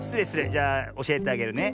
じゃあおしえてあげるね。